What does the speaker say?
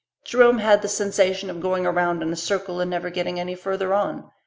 Jerome had the sensation of going around in a circle and never getting any further on.